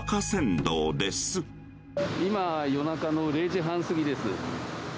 今、夜中の０時半過ぎです。